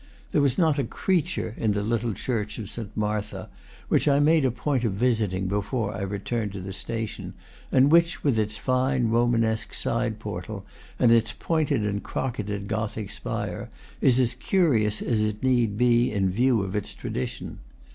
There was not a creature in the little church of Saint Martha, which I made a point of visiting before I re turned to the station, and which, with its fine Romanesque sideportal and its pointed and crocketed Gothic spire, is as curious as it need be, in view of its tradition.